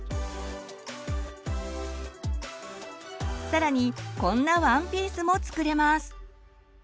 更にこんなワンピースも作れます。